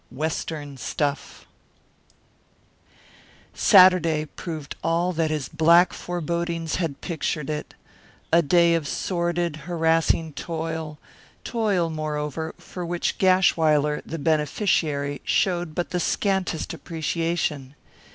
WESTERN STUFF Saturday proved all that his black forebodings had pictured it a day of sordid, harassing toil; toil, moreover, for which Gashwiler, the beneficiary, showed but the scantest appreciation.